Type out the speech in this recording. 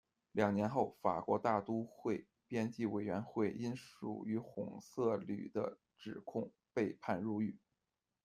两年后，法国大都会的编辑委员会因属于红色旅的指控被判入狱。